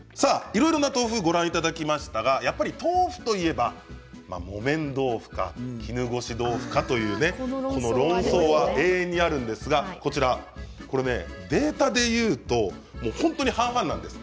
いろいろな豆腐をご覧いただきましたがやっぱり豆腐といえば木綿豆腐か絹ごし豆腐かというこの論争が永遠にあるんですがデータで言うと本当に半々なんです。